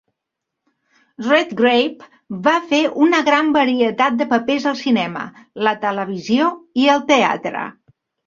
Redgrave va fer una gran varietat de papers al cinema, la televisió i el teatre.